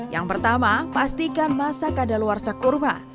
yang pertama pastikan masak ada luar se kurma